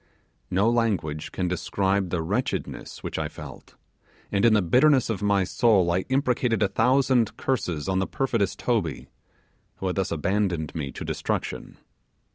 No language can describe the wretchedness which I felt; and in the bitterness of my soul I imprecated a thousand curses on the perfidious Toby, who had thus abandoned me to destruction.